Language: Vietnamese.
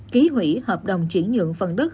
ký hủy hợp đồng chuyển dưỡng phần đất